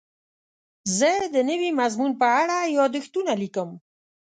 زه د نوي مضمون په اړه یادښتونه لیکم.